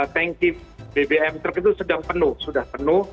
tanki bbm truk itu sedang penuh sudah penuh